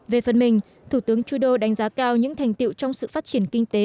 về phần mình thủ tướng trudeau đánh giá cao những thành tiệu trong sự phát triển kinh tế